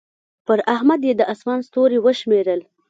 پر احمد يې د اسمان ستوري وشمېرل.